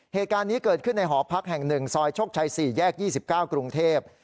เหตุการณ์นี้เกิดขึ้นในหอพักแห่ง๑ซอยโชคชัย๔แยก๒๙กรุงเทพ